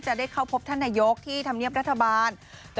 จะได้เข้าพบท่านนายกที่ธรรมเนียบรัฐบาล